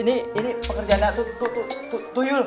ini ini pekerjaan tu tu tu tuyul